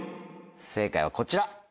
正解はこちら。